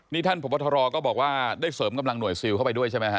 นี่ท่านพบทรก็บอกว่าได้เสริมกำลังหน่วยซิลเข้าไปด้วยใช่ไหมฮะ